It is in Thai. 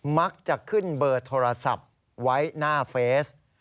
มักจะขึ้นเบอร์โทรศัพท์ไว้หน้าเฟส